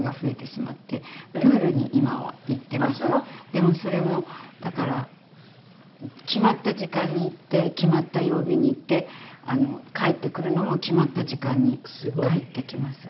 でもそれもだから決まった時間に行って決まった曜日に行って帰ってくるのも決まった時間に帰ってきます。